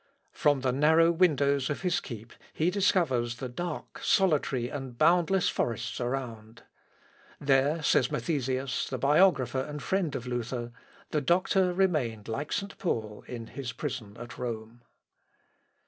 From the narrow windows of his keep he discovers the dark, solitary, and boundless forests around. "There," says Mathesins, the biographer and friend of Luther, "the doctor remained like St. Paul in his prison at Rome."